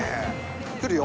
来るよ。